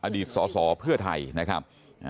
อดีตสอสอเพื่อไทยนะครับ